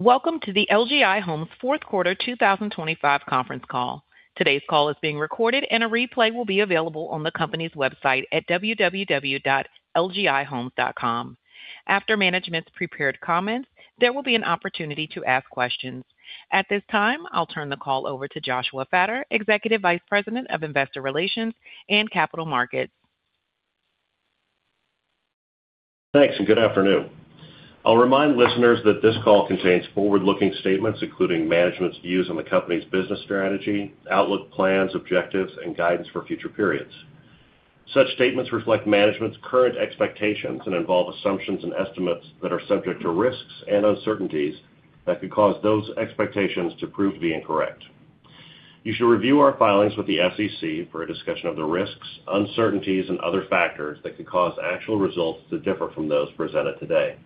Welcome to the LGI Homes' Fourth Quarter 2025 Conference Call. Today's call is being recorded, and a replay will be available on the company's website at www.lgihomes.com. After management's prepared comments, there will be an opportunity to ask questions. At this time, I'll turn the call over to Joshua Fattor, Executive Vice President of Investor Relations and Capital Markets. Thanks, and good afternoon. I'll remind listeners that this call contains forward-looking statements, including management's views on the company's business strategy, outlook, plans, objectives, and guidance for future periods. Such statements reflect management's current expectations and involve assumptions and estimates that are subject to risks and uncertainties that could cause those expectations to prove to be incorrect. You should review our filings with the SEC for a discussion of the risks, uncertainties, and other factors that could cause actual results to differ from those presented today.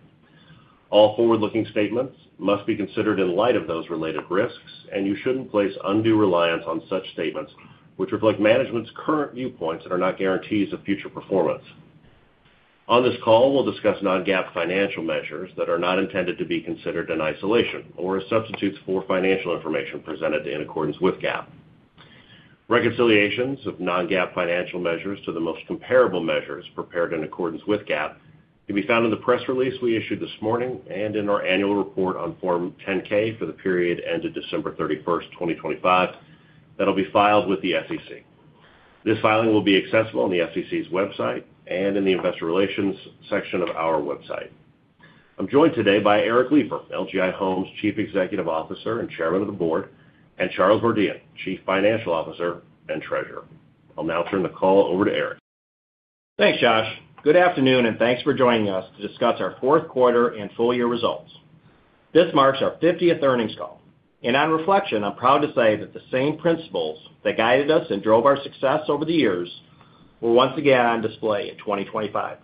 All forward-looking statements must be considered in light of those related risks, and you shouldn't place undue reliance on such statements, which reflect management's current viewpoints that are not guarantees of future performance. On this call, we'll discuss non-GAAP financial measures that are not intended to be considered in isolation or as substitutes for financial information presented in accordance with GAAP. Reconciliations of non-GAAP financial measures to the most comparable measures prepared in accordance with GAAP can be found in the press release we issued this morning and in our annual report on Form 10-K for the period ended December 31, 2025, that'll be filed with the SEC. This filing will be accessible on the SEC's website and in the investor relations section of our website. I'm joined today by Eric Lipar, LGI Homes' Chief Executive Officer and Chairman of the Board, and Charles Merdian, Chief Financial Officer and Treasurer. I'll now turn the call over to Eric. Thanks, Josh. Good afternoon, and thanks for joining us to discuss our fourth quarter and full year results. This marks our 50th earnings call, and on reflection, I'm proud to say that the same principles that guided us and drove our success over the years were once again on display in 2025.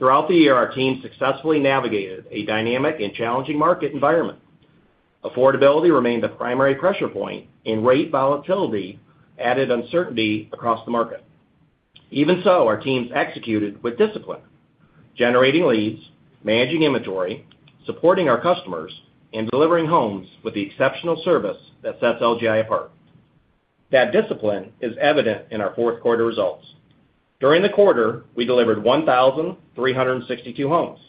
Throughout the year, our team successfully navigated a dynamic and challenging market environment. Affordability remained the primary pressure point, and rate volatility added uncertainty across the market. Even so, our teams executed with discipline, generating leads, managing inventory, supporting our customers, and delivering homes with the exceptional service that sets LGI apart. That discipline is evident in our fourth quarter results. During the quarter, we delivered 1,362 homes.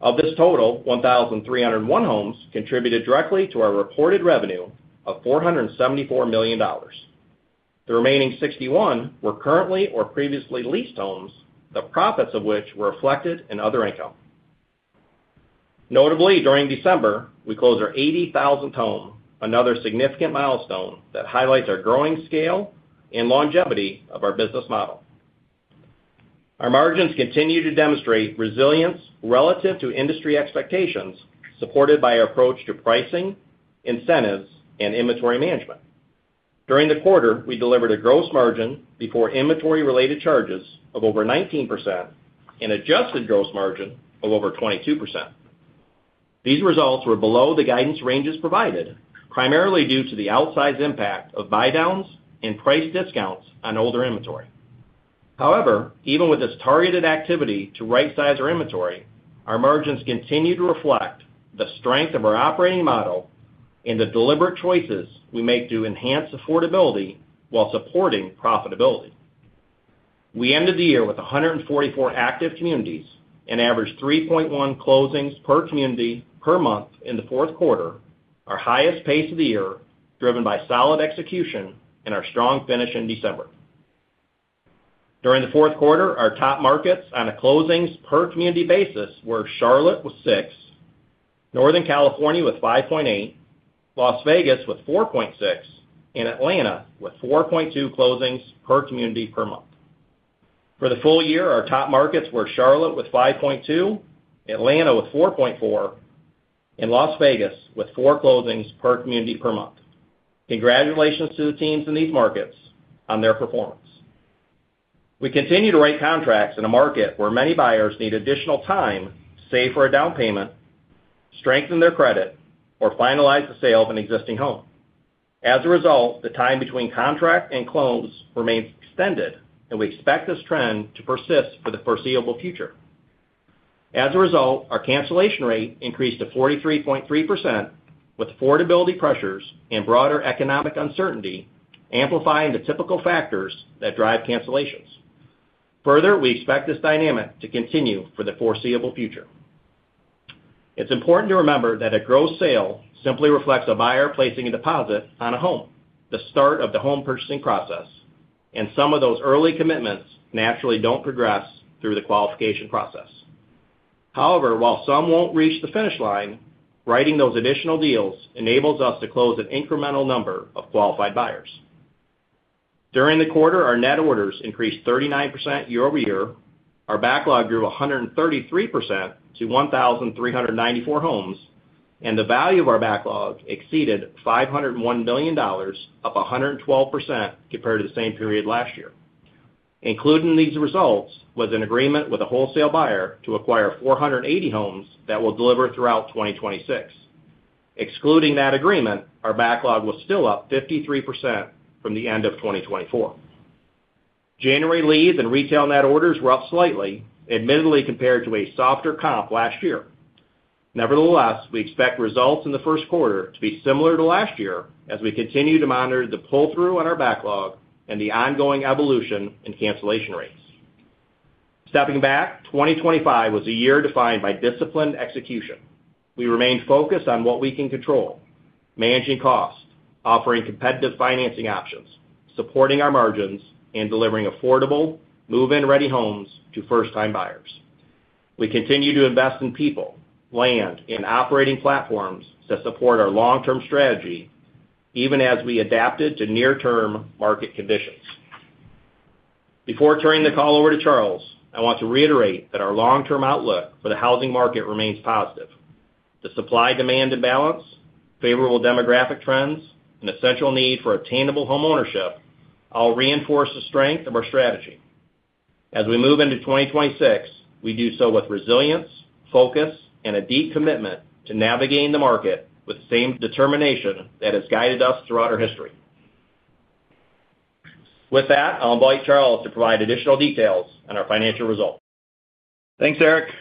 Of this total, 1,301 homes contributed directly to our reported revenue of $474 million. The remaining 61 were currently or previously leased homes, the profits of which were reflected in other income. Notably, during December, we closed our 80,000th home, another significant milestone that highlights our growing scale and longevity of our business model. Our margins continue to demonstrate resilience relative to industry expectations, supported by our approach to pricing, incentives, and inventory management. During the quarter, we delivered a gross margin before inventory-related charges of over 19% and adjusted gross margin of over 22%. These results were below the guidance ranges provided, primarily due to the outsized impact of buydowns and price discounts on older inventory. However, even with this targeted activity to rightsize our inventory, our margins continue to reflect the strength of our operating model and the deliberate choices we make to enhance affordability while supporting profitability. We ended the year with 144 active communities and averaged 3.1 closings per community per month in the fourth quarter, our highest pace of the year, driven by solid execution and our strong finish in December. During the fourth quarter, our top markets on a closings per community basis were Charlotte with 6, Northern California with 5.8, Las Vegas with 4.6, and Atlanta with 4.2 closings per community per month. For the full year, our top markets were Charlotte with 5.2, Atlanta with 4.4, and Las Vegas with 4 closings per community per month. Congratulations to the teams in these markets on their performance. We continue to write contracts in a market where many buyers need additional time to save for a down payment, strengthen their credit, or finalize the sale of an existing home. As a result, the time between contract and close remains extended, and we expect this trend to persist for the foreseeable future. As a result, our cancellation rate increased to 43.3%, with affordability pressures and broader economic uncertainty amplifying the typical factors that drive cancellations. Further, we expect this dynamic to continue for the foreseeable future. It's important to remember that a gross sale simply reflects a buyer placing a deposit on a home, the start of the home purchasing process, and some of those early commitments naturally don't progress through the qualification process. However, while some won't reach the finish line, writing those additional deals enables us to close an incremental number of qualified buyers. During the quarter, our net orders increased 39% year-over-year. Our backlog grew 133% to 1,394 homes, and the value of our backlog exceeded $501 million, up 112% compared to the same period last year. Including these results was an agreement with a wholesale buyer to acquire 480 homes that will deliver throughout 2026. Excluding that agreement, our backlog was still up 53% from the end of 2024. January leads and retail net orders were up slightly, admittedly compared to a softer comp last year. Nevertheless, we expect results in the first quarter to be similar to last year as we continue to monitor the pull-through on our backlog and the ongoing evolution in cancellation rates. Stepping back, 2025 was a year defined by disciplined execution. We remained focused on what we can control, managing costs, offering competitive financing options, supporting our margins, and delivering affordable, move-in-ready homes to first-time buyers. We continue to invest in people, land, and operating platforms to support our long-term strategy, even as we adapted to near-term market conditions. Before turning the call over to Charles, I want to reiterate that our long-term outlook for the housing market remains positive. The supply-demand imbalance, favorable demographic trends, and essential need for attainable homeownership all reinforce the strength of our strategy. As we move into 2026, we do so with resilience, focus, and a deep commitment to navigating the market with the same determination that has guided us throughout our history. With that, I'll invite Charles to provide additional details on our financial results. Thanks, Eric.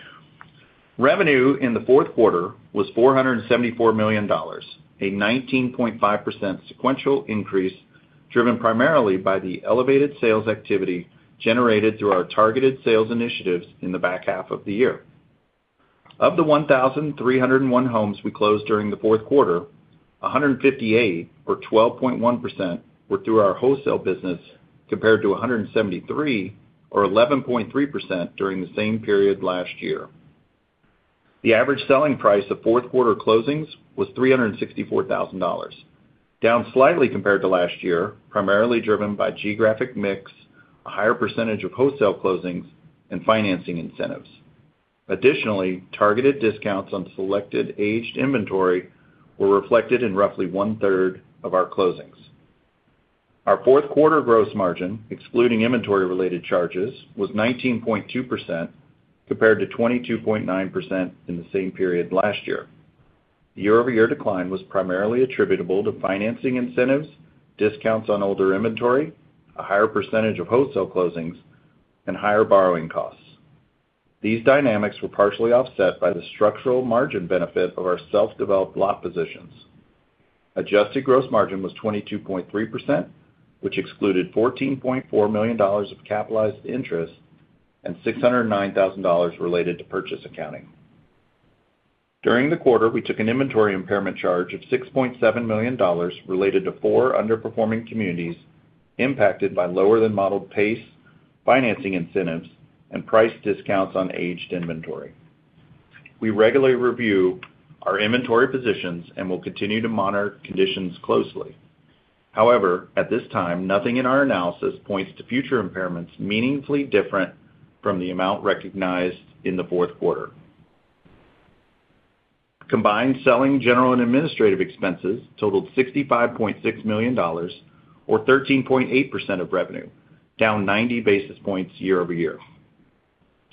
Revenue in the fourth quarter was $474 million, a 19.5% sequential increase, driven primarily by the elevated sales activity generated through our targeted sales initiatives in the back half of the year. Of the 1,301 homes we closed during the fourth quarter, 158, or 12.1%, were through our wholesale business, compared to 173, or 11.3%, during the same period last year. The average selling price of fourth quarter closings was $364,000, down slightly compared to last year, primarily driven by geographic mix, a higher percentage of wholesale closings, and financing incentives. Additionally, targeted discounts on selected aged inventory were reflected in roughly one-third of our closings. Our fourth quarter gross margin, excluding inventory-related charges, was 19.2%, compared to 22.9% in the same period last year. The year-over-year decline was primarily attributable to financing incentives, discounts on older inventory, a higher percentage of wholesale closings, and higher borrowing costs. These dynamics were partially offset by the structural margin benefit of our self-developed lot positions. Adjusted gross margin was 22.3%, which excluded $14.4 million of capitalized interest and $609,000 related to purchase accounting. During the quarter, we took an inventory impairment charge of $6.7 million related to 4 underperforming communities impacted by lower than modeled pace, financing incentives, and price discounts on aged inventory. We regularly review our inventory positions and will continue to monitor conditions closely. However, at this time, nothing in our analysis points to future impairments meaningfully different from the amount recognized in the fourth quarter. Combined Selling, General & Administrative expenses totaled $65.6 million, or 13.8% of revenue, down 90 basis points year-over-year.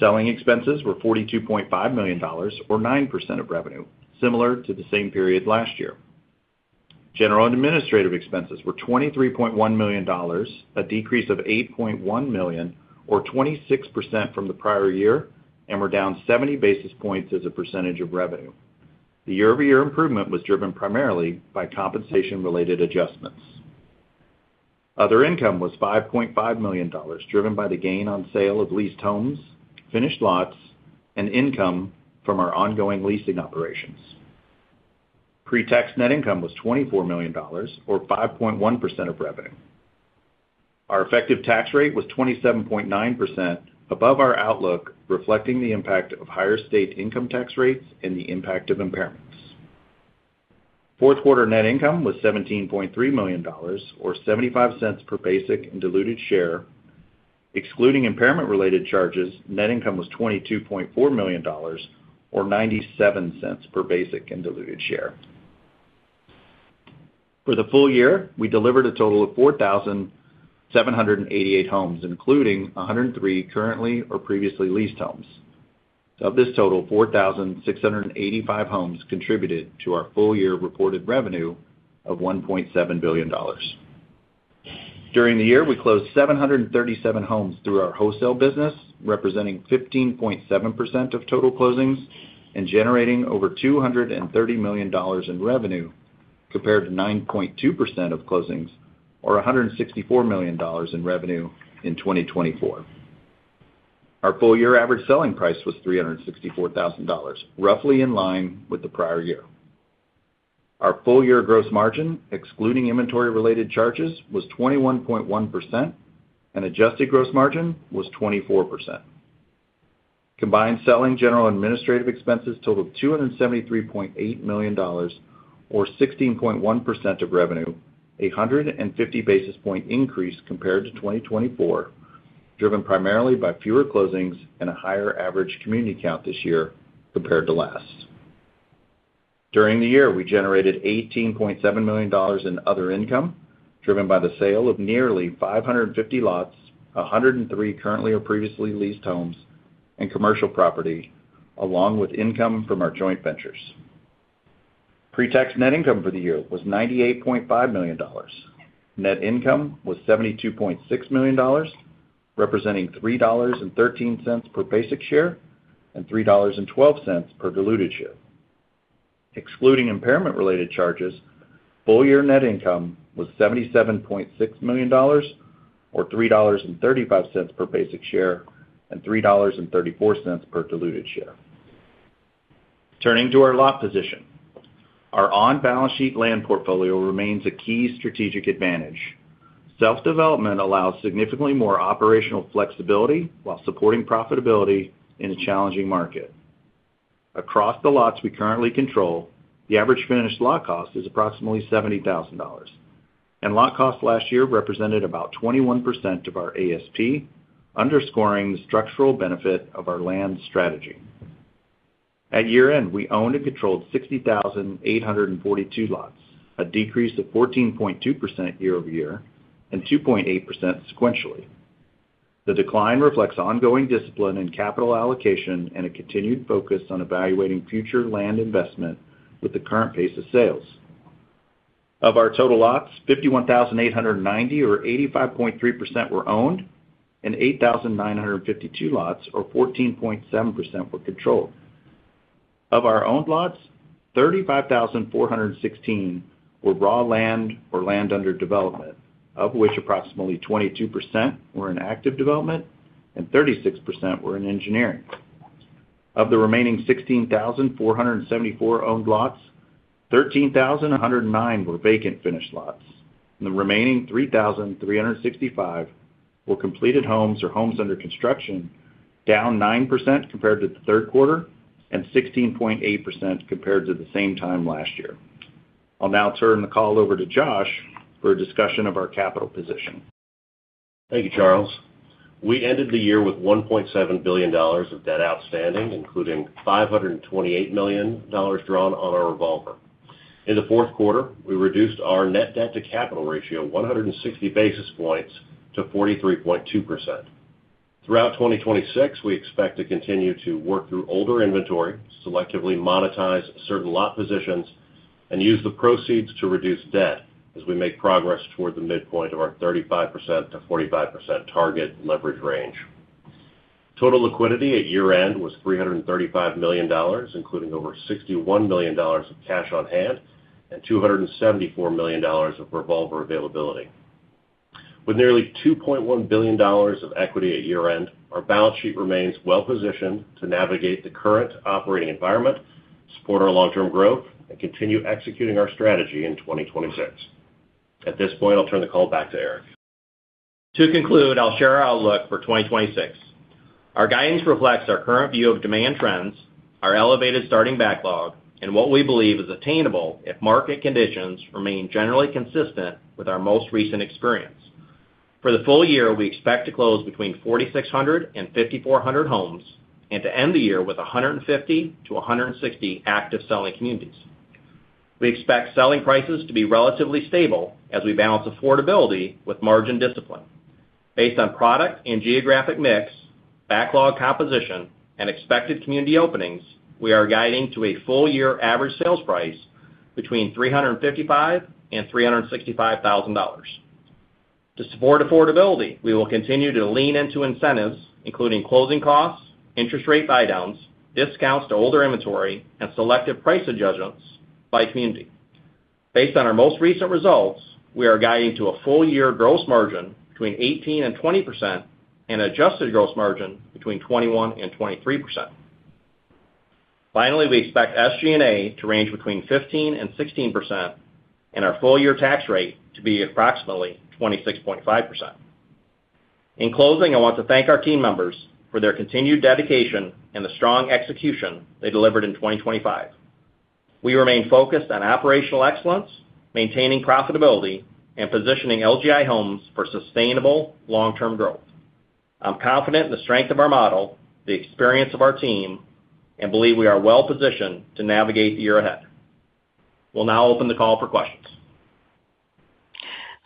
Selling expenses were $42.5 million, or 9% of revenue, similar to the same period last year. General & Administrative expenses were $23.1 million, a decrease of $8.1 million, or 26% from the prior year, and were down 70 basis points as a percentage of revenue. The year-over-year improvement was driven primarily by compensation-related adjustments. Other income was $5.5 million, driven by the gain on sale of leased homes, finished lots, and income from our ongoing leasing operations. Pre-tax net income was $24 million, or 5.1% of revenue. Our effective tax rate was 27.9% above our outlook, reflecting the impact of higher state income tax rates and the impact of impairments. Fourth quarter net income was $17.3 million, or $0.75 per basic and diluted share. Excluding impairment-related charges, net income was $22.4 million, or $0.97 per basic and diluted share. For the full year, we delivered a total of 4,788 homes, including 103 currently or previously leased homes. Of this total, 4,685 homes contributed to our full-year reported revenue of $1.7 billion. During the year, we closed 737 homes through our wholesale business, representing 15.7% of total closings and generating over $230 million in revenue, compared to 9.2% of closings or $164 million in revenue in 2024. Our full-year average selling price was $364,000, roughly in line with the prior year. Our full-year gross margin, excluding inventory-related charges, was 21.1%, and adjusted gross margin was 24%. Combined Selling, General & Administrative expenses totaled $273.8 million, or 16.1% of revenue, a 150 basis point increase compared to 2024, driven primarily by fewer closings and a higher average community count this year compared to last. During the year, we generated $18.7 million in other income, driven by the sale of nearly 550 lots, 103 currently or previously leased homes, and commercial property, along with income from our joint ventures. Pre-tax net income for the year was $98.5 million. Net income was $72.6 million, representing $3.13 per basic share and $3.12 per diluted share. Excluding impairment-related charges, full-year net income was $77.6 million, or $3.35 per basic share and $3.34 per diluted share. Turning to our lot position. Our on-balance sheet land portfolio remains a key strategic advantage. Self-development allows significantly more operational flexibility while supporting profitability in a challenging market. Across the lots we currently control, the average finished lot cost is approximately $70,000, and lot cost last year represented about 21% of our ASP, underscoring the structural benefit of our land strategy. At year-end, we owned and controlled 60,842 lots, a decrease of 14.2% year-over-year and 2.8% sequentially. The decline reflects ongoing discipline in capital allocation and a continued focus on evaluating future land investment with the current pace of sales. Of our total lots, 51,890, or 85.3%, were owned, and 8,952 lots, or 14.7%, were controlled. Of our owned lots, 35,416 were raw land or land under development, of which approximately 22% were in active development and 36% were in engineering. Of the remaining 16,474 owned lots, 13,109 were vacant finished lots, and the remaining 3,365 were completed homes or homes under construction, down 9% compared to the third quarter and 16.8% compared to the same time last year. I'll now turn the call over to Josh for a discussion of our capital position. Thank you, Charles. We ended the year with $1.7 billion of debt outstanding, including $528 million drawn on our revolver. In the fourth quarter, we reduced our net debt to capital ratio 160 basis points to 43.2%. Throughout 2026, we expect to continue to work through older inventory, selectively monetize certain lot positions, and use the proceeds to reduce debt as we make progress toward the midpoint of our 35%-45% target leverage range. Total liquidity at year-end was $335 million, including over $61 million of cash on hand and $274 million of revolver availability. With nearly $2.1 billion of equity at year-end, our balance sheet remains well positioned to navigate the current operating environment, support our long-term growth, and continue executing our strategy in 2026. At this point, I'll turn the call back to Eric. To conclude, I'll share our outlook for 2026. Our guidance reflects our current view of demand trends, our elevated starting backlog, and what we believe is attainable if market conditions remain generally consistent with our most recent experience. For the full year, we expect to close between 4,600 and 5,400 homes and to end the year with 150-160 active selling communities. We expect selling prices to be relatively stable as we balance affordability with margin discipline. Based on product and geographic mix, backlog composition, and expected community openings, we are guiding to a full year average sales price between $355,000 and $365,000. To support affordability, we will continue to lean into incentives, including closing costs, interest rate buydowns, discounts to older inventory, and selective price adjustments by community. Based on our most recent results, we are guiding to a full year gross margin between 18% and 20% and adjusted gross margin between 21% and 23%. Finally, we expect SG&A to range between 15% and 16%, and our full year tax rate to be approximately 26.5%. In closing, I want to thank our team members for their continued dedication and the strong execution they delivered in 2025. We remain focused on operational excellence, maintaining profitability, and positioning LGI Homes for sustainable long-term growth. I'm confident in the strength of our model, the experience of our team, and believe we are well positioned to navigate the year ahead. We'll now open the call for questions.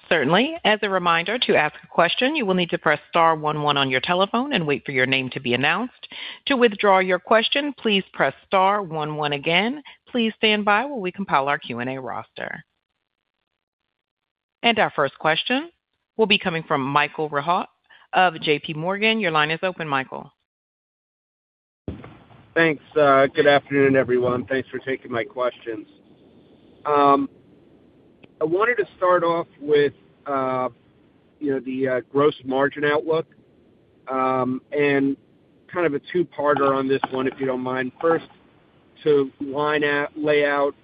Certainly. As a reminder, to ask a question, you will need to press star one one on your telephone and wait for your name to be announced. To withdraw your question, please press star one one again. Please stand by while we compile our Q&A roster. Our first question will be coming from Michael Rehaut of J.P. Morgan. Your line is open, Michael. Thanks. Good afternoon, everyone. Thanks for taking my questions. I wanted to start off with, you know, the gross margin outlook, and kind of a two-parter on this one, if you don't mind. First, to lay out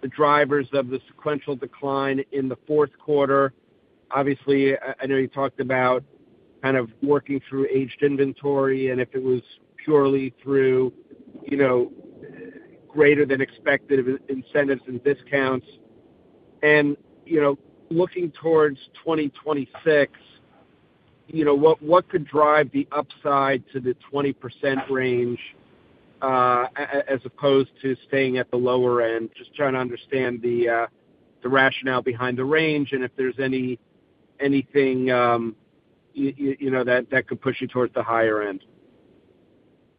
the drivers of the sequential decline in the fourth quarter. Obviously, I know you talked about kind of working through aged inventory, and if it was purely through, you know, greater than expected incentives and discounts. And, you know, looking towards 2026, you know, what could drive the upside to the 20% range, as opposed to staying at the lower end? Just trying to understand the rationale behind the range and if there's anything, you know, that could push you towards the higher end.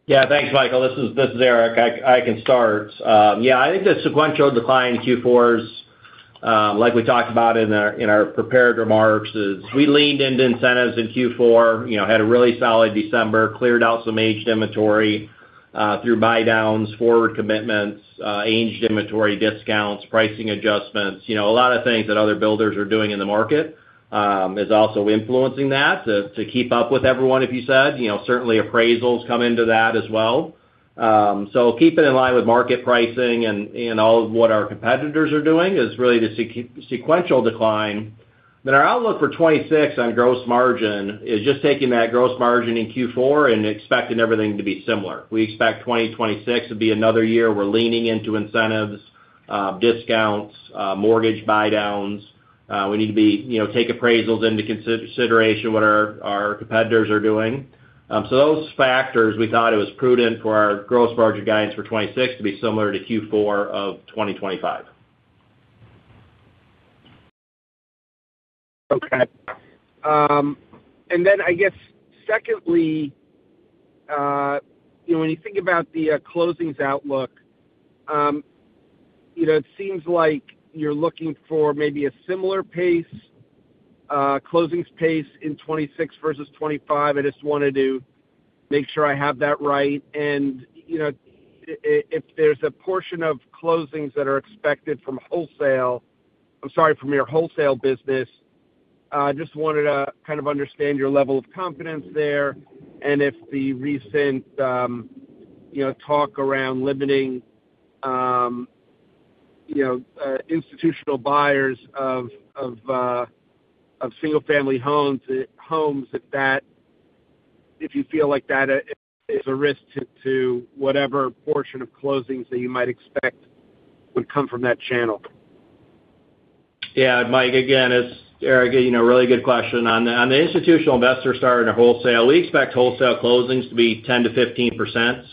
Yeah, thanks, Michael. This is Eric. I can start. Yeah, I think the sequential decline in Q4's, like we talked about in our prepared remarks, is we leaned into incentives in Q4, you know, had a really solid December, cleared out some aged inventory through buydowns, forward commitments, aged inventory discounts, pricing adjustments. You know, a lot of things that other builders are doing in the market is also influencing that, to keep up with everyone, if you said. You know, certainly appraisals come into that as well. So keeping in line with market pricing and all of what our competitors are doing is really the sequential decline. Then our outlook for 2026 on gross margin is just taking that gross margin in Q4 and expecting everything to be similar. We expect 2026 to be another year we're leaning into incentives, discounts, mortgage buy downs. We need to be, you know, take appraisals into consideration what our competitors are doing. So those factors, we thought it was prudent for our gross margin guidance for 2026 to be similar to Q4 of 2025. Okay. And then I guess, secondly, you know, when you think about the closings outlook, you know, it seems like you're looking for maybe a similar pace, closings pace in 2026 versus 2025. I just wanted to make sure I have that right. And, you know, if there's a portion of closings that are expected from wholesale, I'm sorry, from your wholesale business, just wanted to kind of understand your level of confidence there, and if the recent, you know, talk around limiting, you know, institutional buyers of single-family homes, if you feel like that is a risk to whatever portion of closings that you might expect would come from that channel. Yeah, Mike, again, it's Eric. You know, really good question. On the institutional investor side and the wholesale, we expect wholesale closings to be 10%-15%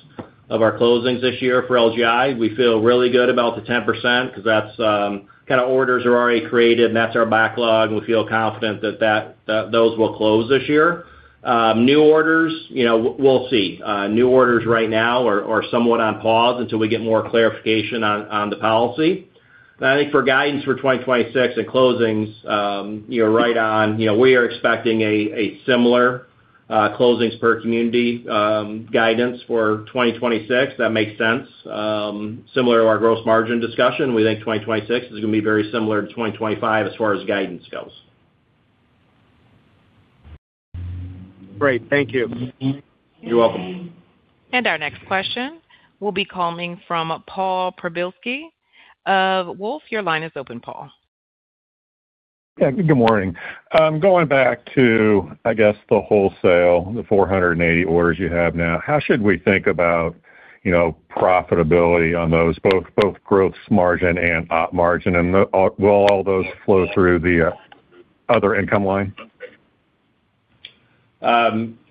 of our closings this year for LGI. We feel really good about the 10%, because that's kind of orders are already created, and that's our backlog, and we feel confident that those will close this year. New orders, you know, we'll see. New orders right now are somewhat on pause until we get more clarification on the policy. And I think for guidance for 2026 and closings, you're right on. You know, we are expecting a similar closings per community guidance for 2026. That makes sense. Similar to our gross margin discussion, we think 2026 is going to be very similar to 2025 as far as guidance goes. Great. Thank you. You're welcome. Our next question will be coming from Paul Przybylski of Wolfe. Your line is open, Paul. Yeah, good morning. Going back to, I guess, the wholesale, the 480 orders you have now. How should we think about, you know, profitability on those, both, both gross margin and op margin? And the, will all those flow through the, other income line? This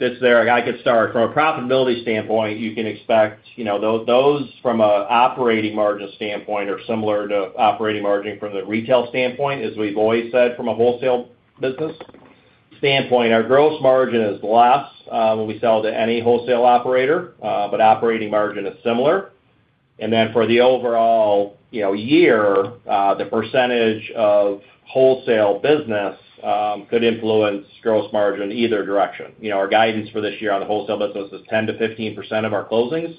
is Eric. I could start. From a profitability standpoint, you can expect, you know, those from an operating margin standpoint are similar to operating margin from the retail standpoint, as we've always said from a wholesale business standpoint. Our gross margin is less when we sell to any wholesale operator, but operating margin is similar. And then for the overall, you know, year, the percentage of wholesale business could influence gross margin in either direction. You know, our guidance for this year on the wholesale business is 10%-15% of our closings.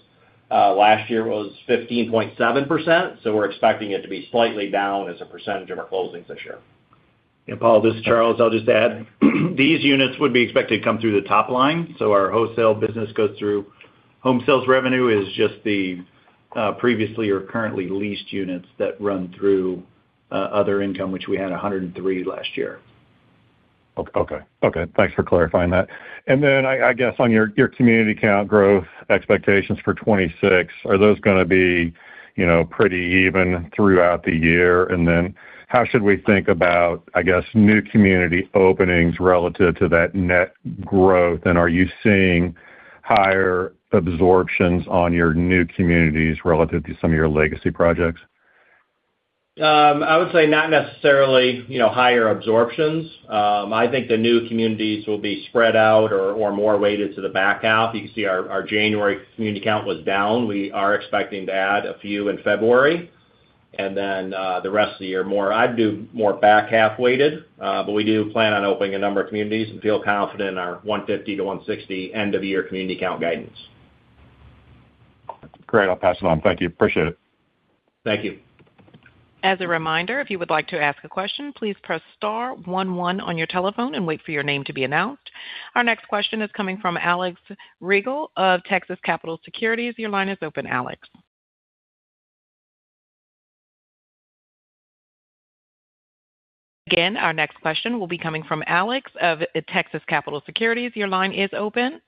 Last year was 15.7%, so we're expecting it to be slightly down as a percentage of our closings this year. Paul, this is Charles. I'll just add, these units would be expected to come through the top line, so our wholesale business goes through... Home sales revenue is just the previously or currently leased units that run through other income, which we had 103 last year. Okay. Okay, thanks for clarifying that. And then, I guess on your, your community count growth expectations for 2026, are those gonna be, you know, pretty even throughout the year? And then how should we think about, I guess, new community openings relative to that net growth, and are you seeing higher absorptions on your new communities relative to some of your legacy projects? I would say not necessarily, you know, higher absorptions. I think the new communities will be spread out or more weighted to the back half. You can see our January community count was down. We are expecting to add a few in February, and then the rest of the year, more, I'd do more back half weighted, but we do plan on opening a number of communities and feel confident in our 150-160 end-of-year community count guidance. Great. I'll pass it on. Thank you. Appreciate it. Thank you. As a reminder, if you would like to ask a question, please press star one one on your telephone and wait for your name to be announced. Our next question is coming from Alex Rygiel of Texas Capital Securities. Your line is open, Alex. Again, our next question will be coming from Alex of Texas Capital Securities. Your line is open.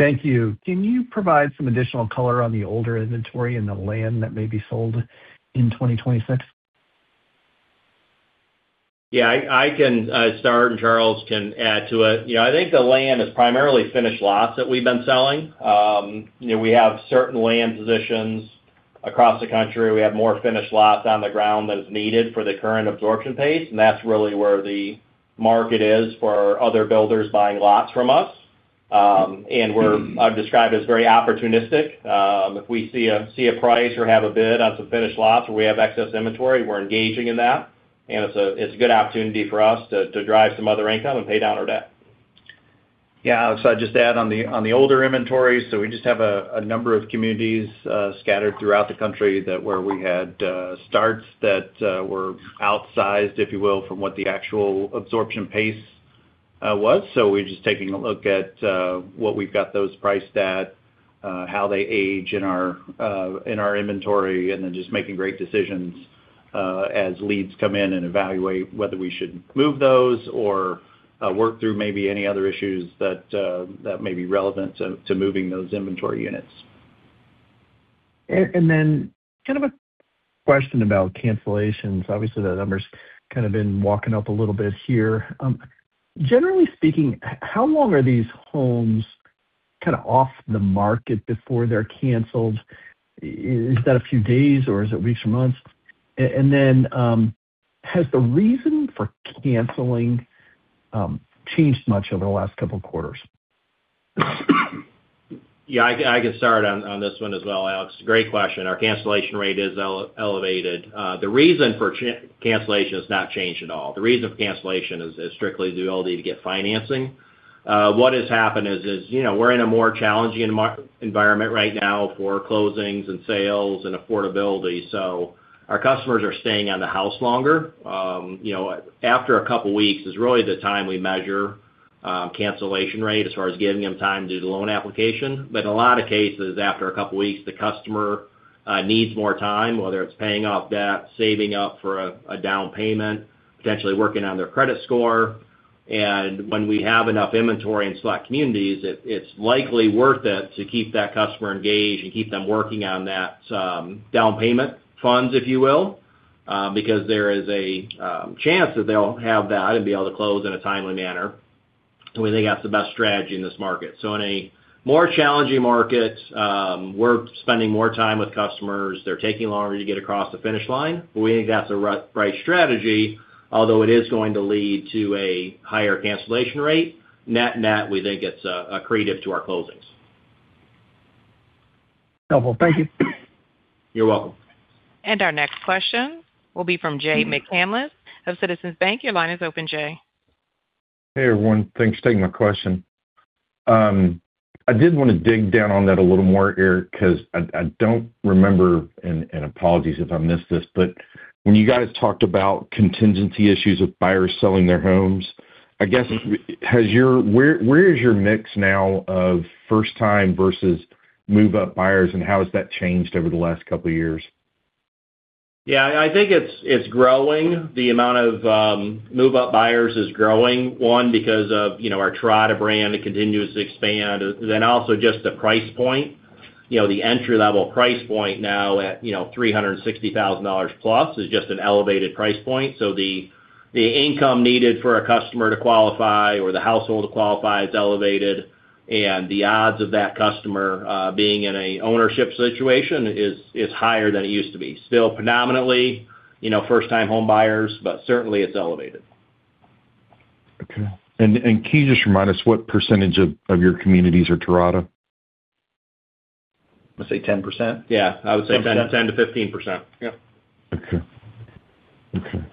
Thank you. Can you provide some additional color on the older inventory and the land that may be sold in 2026? Yeah, I can start, and Charles can add to it. You know, I think the land is primarily finished lots that we've been selling. You know, we have certain land positions across the country, we have more finished lots on the ground than is needed for the current absorption pace, and that's really where the market is for other builders buying lots from us. And we're, I've described as very opportunistic. If we see a price or have a bid on some finished lots where we have excess inventory, we're engaging in that, and it's a good opportunity for us to drive some other income and pay down our debt. Yeah, so I'd just add on the older inventory, so we just have a number of communities scattered throughout the country that, where we had starts that were outsized, if you will, from what the actual absorption pace was. So we're just taking a look at what we've got those priced at, how they age in our inventory, and then just making great decisions as leads come in and evaluate whether we should move those or work through maybe any other issues that may be relevant to moving those inventory units. And then kind of a question about cancellations. Obviously, the numbers kind of been walking up a little bit here. Generally speaking, how long are these homes kind of off the market before they're canceled? Is that a few days, or is it weeks or months? And then, has the reason for canceling changed much over the last couple of quarters? Yeah, I can start on this one as well, Alex. Great question. Our cancellation rate is elevated. The reason for cancellation has not changed at all. The reason for cancellation is strictly the ability to get financing. What has happened is, you know, we're in a more challenging market environment right now for closings and sales and affordability, so our customers are staying on the house longer. You know, after a couple of weeks is really the time we measure cancellation rate as far as giving them time to do the loan application. But in a lot of cases, after a couple of weeks, the customer needs more time, whether it's paying off debt, saving up for a down payment, potentially working on their credit score. When we have enough inventory in select communities, it's likely worth it to keep that customer engaged and keep them working on that down payment funds, if you will, because there is a chance that they'll have that and be able to close in a timely manner. We think that's the best strategy in this market. In a more challenging market, we're spending more time with customers. They're taking longer to get across the finish line, but we think that's the right strategy, although it is going to lead to a higher cancellation rate. Net-net, we think it's accretive to our closings. Helpful. Thank you. You're welcome. Our next question will be from Jay McCanless of Citizens Bank. Your line is open, Jay. Hey, everyone. Thanks for taking my question. I did want to dig down on that a little more, Eric, 'cause I don't remember, and apologies if I missed this, but when you guys talked about contingency issues of buyers selling their homes, I guess, where is your mix now of first time versus move-up buyers, and how has that changed over the last couple of years? Yeah, I think it's growing. The amount of move-up buyers is growing, one, because of, you know, our Terrata brand, it continues to expand, then also just the price point. You know, the entry-level price point now at, you know, $360,000 plus is just an elevated price point. So the income needed for a customer to qualify or the household to qualify is elevated, and the odds of that customer being in a ownership situation is higher than it used to be. Still predominantly, you know, first-time home buyers, but certainly it's elevated. Okay. And can you just remind us what percentage of your communities are Terrata? I'd say 10%. Yeah, I would say 10 to 10 to 15%. Yeah. Okay. Okay.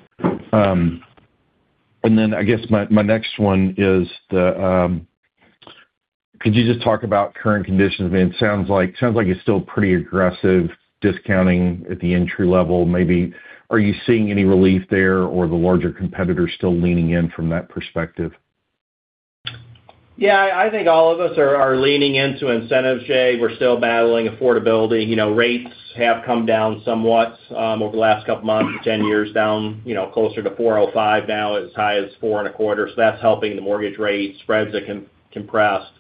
And then I guess my next one is, could you just talk about current conditions? I mean, it sounds like it's still pretty aggressive discounting at the entry level, maybe. Are you seeing any relief there, or are the larger competitors still leaning in from that perspective? Yeah, I think all of us are leaning into incentives, Jay. We're still battling affordability. You know, rates have come down somewhat over the last couple of months, 10-year down, you know, closer to 4.05% now, as high as 4.25%. So that's helping the mortgage rates, spreads are compressed.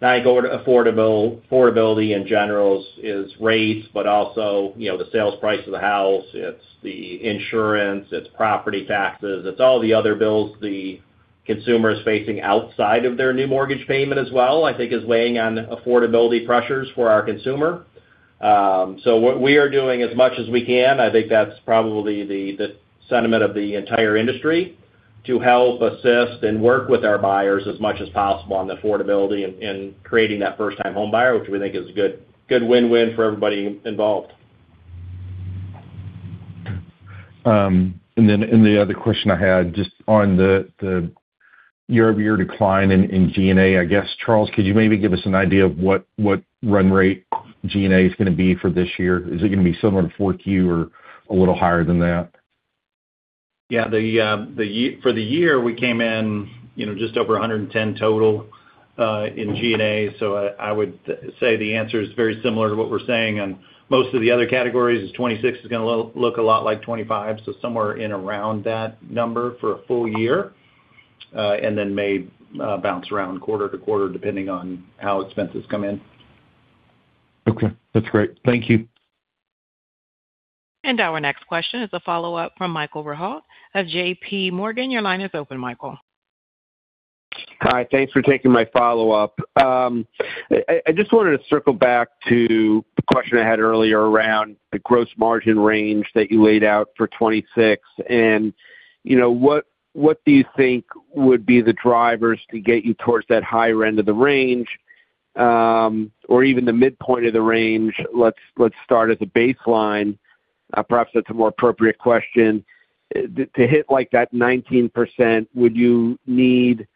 Now, I go to affordability, in general, is rates, but also, you know, the sales price of the house, it's the insurance, it's property taxes, it's all the other bills the consumer is facing outside of their new mortgage payment as well, I think is weighing on affordability pressures for our consumer. So what we are doing as much as we can, I think that's probably the sentiment of the entire industry to help assist and work with our buyers as much as possible on the affordability and creating that first-time home buyer, which we think is a good, good win-win for everybody involved. And then, the other question I had, just on the year-over-year decline in G&A, I guess, Charles, could you maybe give us an idea of what run rate G&A is gonna be for this year? Is it gonna be similar to Q4 or a little higher than that? Yeah, the year for the year, we came in, you know, just over 110 total in G&A. So I would say the answer is very similar to what we're saying on most of the other categories, is 26 is gonna look a lot like 25, so somewhere around that number for a full year, and then may bounce around quarter to quarter, depending on how expenses come in. Okay. That's great. Thank you. Our next question is a follow-up from Michael Rehaut of JP Morgan. Your line is open, Michael.... Hi, thanks for taking my follow-up. I just wanted to circle back to the question I had earlier around the gross margin range that you laid out for 2026. You know, what do you think would be the drivers to get you towards that higher end of the range, or even the midpoint of the range? Let's start at the baseline. Perhaps that's a more appropriate question. To hit like that 19%, would you need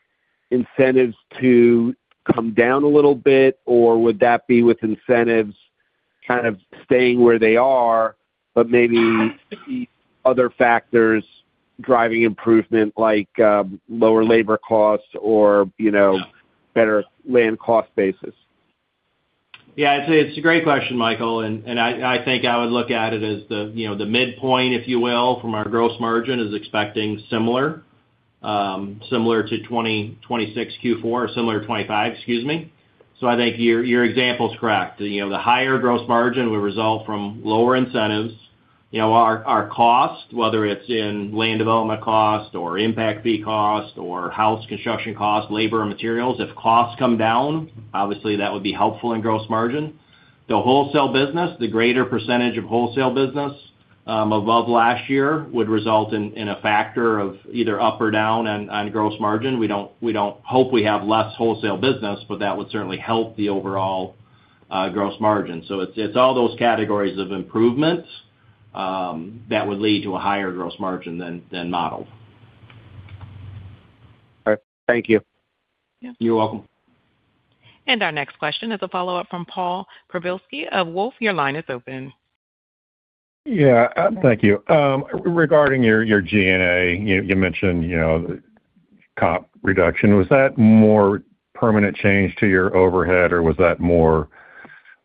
incentives to come down a little bit, or would that be with incentives kind of staying where they are, but maybe other factors driving improvement, like lower labor costs or, you know, better land cost basis? Yeah, it's a great question, Michael. And I think I would look at it as the midpoint, if you will, from our gross margin is expecting similar to 2026 Q4, or similar to 2025, excuse me. So I think your example is correct. You know, the higher gross margin would result from lower incentives. You know, our cost, whether it's in land development cost or impact fee cost or house construction cost, labor, and materials, if costs come down, obviously that would be helpful in gross margin. The wholesale business, the greater percentage of wholesale business above last year, would result in a factor of either up or down on gross margin. We don't hope we have less wholesale business, but that would certainly help the overall gross margin. It's all those categories of improvements that would lead to a higher gross margin than modeled. All right. Thank you. You're welcome. Our next question is a follow-up from Paul Przybylski of Wolfe. Your line is open. Yeah. Thank you. Regarding your SG&A, you mentioned, you know, the cap reduction. Was that more permanent change to your overhead, or was that more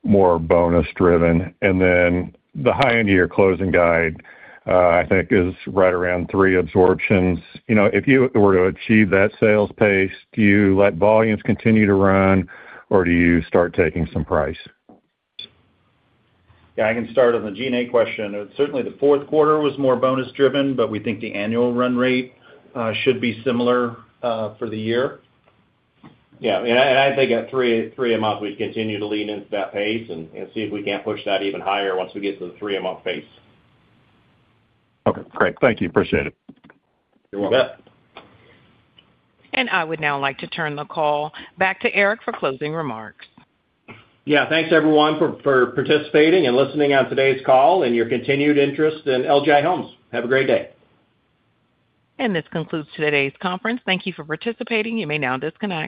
bonus driven? And then the high end of your closing guide, I think, is right around three absorptions. You know, if you were to achieve that sales pace, do you let volumes continue to run, or do you start taking some price? Yeah, I can start on the SG&A question. Certainly, the fourth quarter was more bonus driven, but we think the annual run rate should be similar for the year. Yeah, and I think at three a month, we continue to lean into that pace and see if we can't push that even higher once we get to the three-a-month pace. Okay, great. Thank you. Appreciate it. You're welcome. You bet. I would now like to turn the call back to Eric for closing remarks. Yeah. Thanks, everyone, for participating and listening on today's call and your continued interest in LGI Homes. Have a great day. This concludes today's conference. Thank you for participating. You may now disconnect.